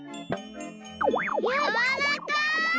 やわらかい。